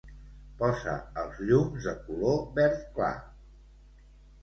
Posa els llums de color verd clar.